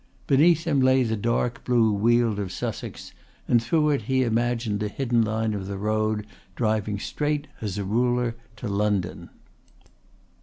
Beneath him lay the blue dark weald of Sussex, and through it he imagined the hidden line of the road driving straight as a ruler to London.